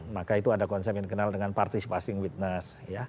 maka itu ada konsep yang dikenal dengan participasing witness